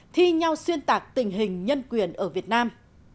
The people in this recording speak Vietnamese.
thi nhau xuyên tạc tình hình nhân quyền ở việt nam